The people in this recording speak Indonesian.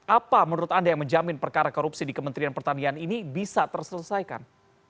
apa menurut anda yang menjamin perkara korupsi di kementerian pertanian ini bisa terselesaikan